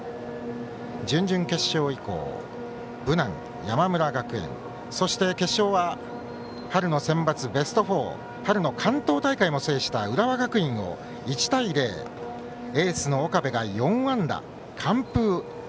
準々決勝以降、武南、山村学園そして決勝は春のセンバツベスト４春の関東大会も制した浦和学院を１対０、エースの岡部が４安打完封。